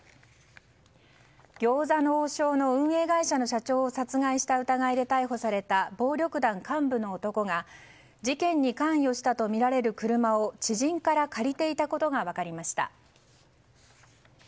餃子の王将の運営会社の社長を殺害した疑いで逮捕された暴力団幹部の男が事件に関与したとみられる車を知人から借りていたことが分かりました。